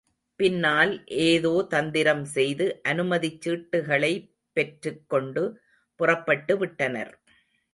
பின்னால் ஏதோ தந்திரம் செய்து அனுமதிச்சீட்டுகளைப் பெற்றுக்கொண்டு புறப்பட்டு விட்டனர்.